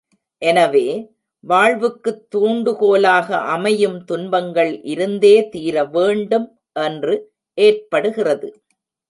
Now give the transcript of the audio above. எனவே, வாழ்வுக்குத் தூண்டுகோலாக அமையும் துன்பங்கள் இருந்தே தீரவேண்டும் என்று ஏற்படுகிறது.